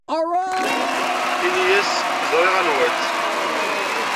Ini-as ẓriɣ anwa-tt.